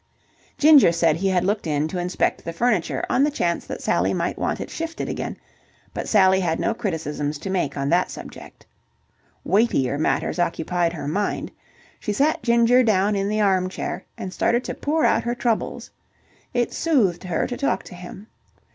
Ginger said he had looked in to inspect the furniture on the chance that Sally might want it shifted again: but Sally had no criticisms to make on that subject. Weightier matters occupied her mind. She sat Ginger down in the armchair and started to pour out her troubles. It soothed her to talk to him.